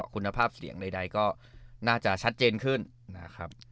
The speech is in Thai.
คุณภาพเสียงใดก็น่าจะชัดเจนขึ้นนะครับ